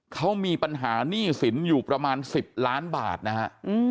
เขามีปัญหาหนี้สินอยู่ประมาณ๑๐ล้านบาทนะฮะ